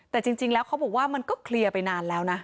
แต่จริงแล้วเขาบอกว่ามันก็เคลียร์ไปนานแล้วนะ